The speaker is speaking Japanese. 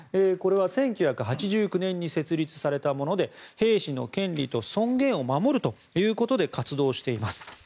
これは１９８９年に設立されたもので兵士の権利と尊厳を守るということで活動しています。